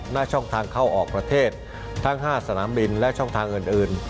หน้าช่องทางเข้าออกประเทศทั้ง๕สนามบินและช่องทางอื่น